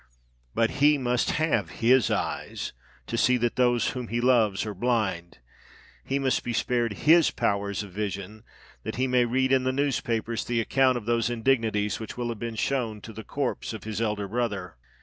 But he must have his eyes to see that those whom he loves are blind—he must be spared his powers of vision, that he may read in the newspapers the account of those indignities which will have been shown to the corpse of his elder brother!"